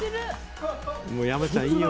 もう山ちゃん、いいよ。